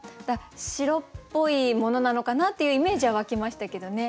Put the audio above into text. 白っぽいものなのかなっていうイメージは湧きましたけどね。